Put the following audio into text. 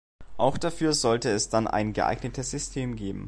Auch dafür sollte es dann ein geeignetes System geben.